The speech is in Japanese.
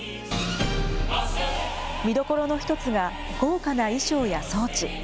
見どころの一つが、豪華な衣装や装置。